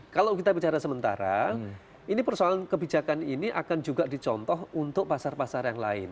kalau kita bicara sementara ini persoalan kebijakan ini akan juga dicontoh untuk pasar pasar yang lain